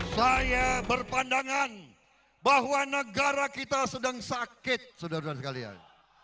saya berpandangan bahwa negara kita sedang sakit saudara saudara sekalian